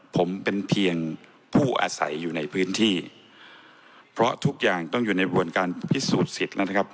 ผมเป็นเพียงผู้อาศัยอยู่ในพื้นที่เพราะทุกอย่างต้องอยู่ในกระบวนการพิสูจน์สิทธิ์แล้วนะครับ